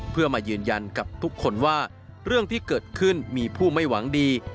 เพื่อมายืนยันกับทุกคนว่าเรื่องที่เกิดขึ้นมีผู้ไม่หวังดี